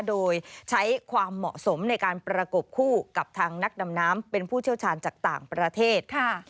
โดยใช้ความเหมาะสมในการประกบคู่กับทางนักดำน้ำเป็นผู้เชี่ยวชาญจากต่างประเทศ